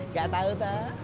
gak tau toh